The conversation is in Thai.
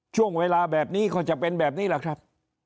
ช่วงเวลาแบบนี้ก็จะเป็นแบบนี้แหละครับ